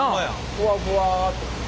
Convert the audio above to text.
ふわふわっと。